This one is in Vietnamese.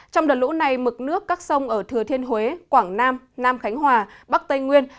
trong đợt lũ này mực nước các sông ở thừa thiên huế quảng nam nam khánh hòa bắc tây nguyên